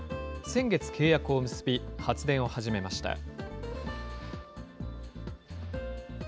先月、契約を結び、発電を始めました。